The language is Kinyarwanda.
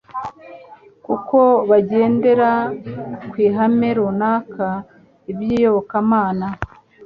kuko bagendera ku ihame runaka iby'iyobokamana.